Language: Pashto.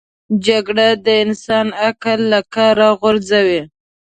جګړه د انسان عقل له کاره غورځوي